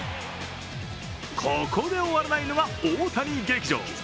ここで終わらないのが大谷劇場。